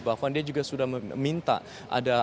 bahwa dia juga sudah meminta ada